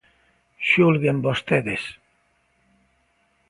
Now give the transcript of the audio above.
Xulguen vostedes.